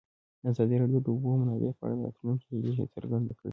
ازادي راډیو د د اوبو منابع په اړه د راتلونکي هیلې څرګندې کړې.